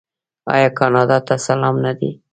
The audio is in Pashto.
آیا کاناډا ته سلام نه دی؟